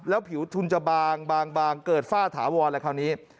แล้วผิวทุนจะบางเกิดฝ้าถาวรอะไรคราวนี้